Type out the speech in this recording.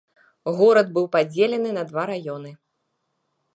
Горад быў падзелены на два раёны.